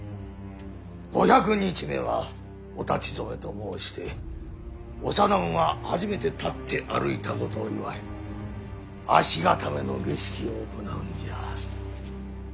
五百日目はお立ち初めと申して幼子が初めて立って歩いたことを祝い足固めの儀式を行うんじゃ。